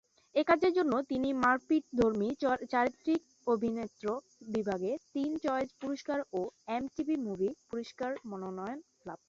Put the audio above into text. এই কাজের জন্য তিনি মারপিঠধর্মী চলচ্চিত্র অভিনেত্রী বিভাগে টিন চয়েজ পুরস্কার ও এমটিভি মুভি পুরস্কারের মনোনয়ন লাভ করেন।